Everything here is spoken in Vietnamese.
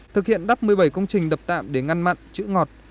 thực hiện đắp một mươi bảy công trình đập tạm để ngăn mặn chữ ngọt